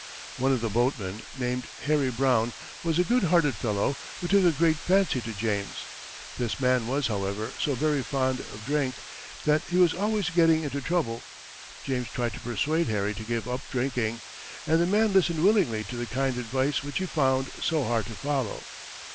One of the boatmen, named Harry Brown, was a good hearted fellow, who took a great fancy to James. This man was, however, so very fond of drink, that he was always getting into trouble. James tried to persuade Harry to give up drinking, and the man listened willingly to the kind advice which he found so hard to follow.